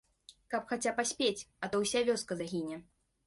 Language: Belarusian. Каб хаця паспець, а то ўся вёска загіне.